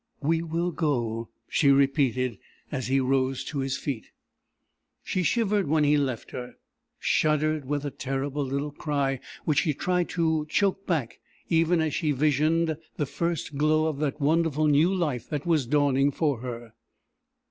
"We will go," she repeated, as he rose to his feet. She shivered when he left her, shuddered with a terrible little cry which she tried to choke back even as she visioned the first glow of that wonderful new life that was dawning for her.